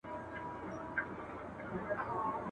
دې مقام ته بل څوک نه وه رسېدلي !.